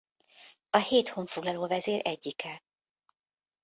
A hét honfoglaló vezér egyike.